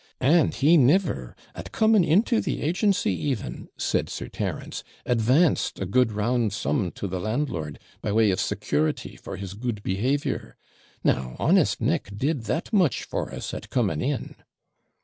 'And he never, at coming into the agency even,' said Sir Terence, 'ADVANCED a good round sum to the landlord, by way of security for his good behaviour. Now honest Nick did that much for us at coming in.'